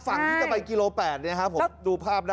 ฝั่งที่จะไปกิโลแปดนี่นะครับผมดูภาพได้